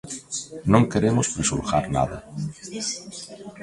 Non queremos prexulgar nada.